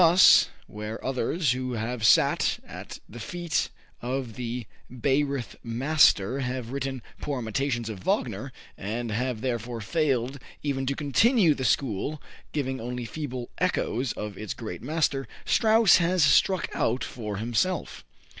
Thus, where others who have sat at the feet of the Bayreuth master have written poor imitations of Wagner, and have therefore failed even to continue the school, giving only feeble echoes of its great master, Strauss has struck out for himself.